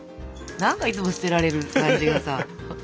何かいつも捨てられる感じがさ。